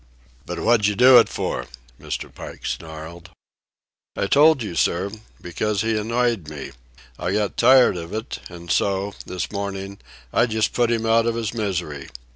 "But what'd you do it for?" Mr. Pike snarled. "I told you, sir, because he annoyed me. I got tired of it, an' so, this morning, I just put him out of his misery.